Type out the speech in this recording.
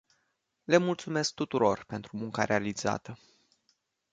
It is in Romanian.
Le mulțumesc tuturor pentru munca realizată.